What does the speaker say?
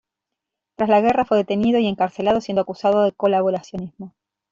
Tras la guerra fue detenido y encarcelado, siendo acusado de colaboracionismo.